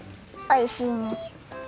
おいしいね！